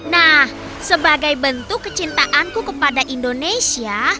nah sebagai bentuk kecintaanku kepada indonesia